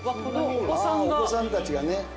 お子さんたちがね。